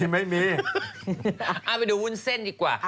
เอามาไปดูวุ่นเส้นอีกกว่า